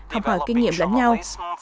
học hỏi kinh nghiệm lẫn nhau